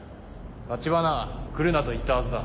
橘来るなと言ったはずだ。